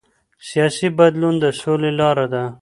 سیاسي بدلون د سولې لاره ده